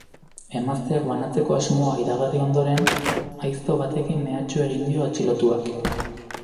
Emazteak banatzeko asmoa iragarri ondoren, aizto batekin mehatxu egin dio atxilotuak.